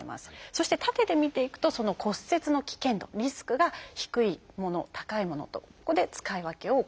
そして縦で見ていくとその骨折の危険度リスクが低いもの高いものとここで使い分けを行うということなんですね。